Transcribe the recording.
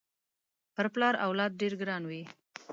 پر پلار اولاد ډېر ګران وي